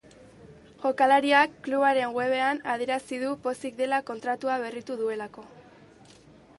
Jokalariak klubaren webean adierazi du pozik dela kontratua berritu duelako.